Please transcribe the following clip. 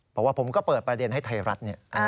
เพราะว่าผมก็เปิดประเด็นให้ไทยรัฐ